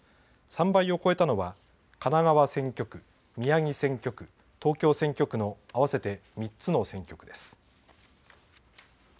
３倍を超えたのは神奈川選挙区、宮城選挙区、東京選挙区の合わせて３つの選挙区です。